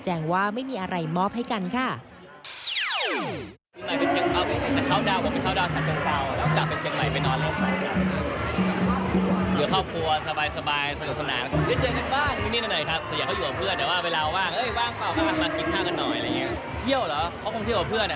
ท่าที่เที่ยวเหรอเค้าเองเขาที่เที่ยวกับเพื่อน